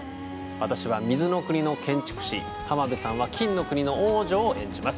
私は水の国の建築士浜辺さんは金の国の王女を演じます。